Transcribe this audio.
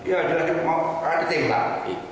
ya kita mau kita tembak